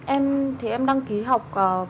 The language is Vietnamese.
em thì em đăng ký học